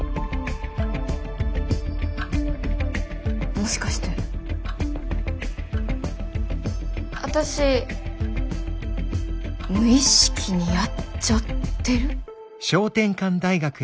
もしかして私無意識にやっちゃってる？